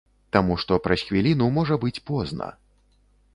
Таму што праз хвіліну можа быць позна.